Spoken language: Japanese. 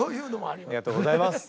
ありがとうございます。